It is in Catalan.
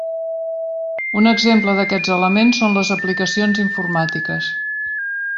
Un exemple d'aquests elements són les aplicacions informàtiques.